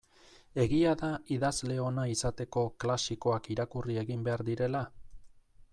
Egia da idazle ona izateko klasikoak irakurri egin behar direla?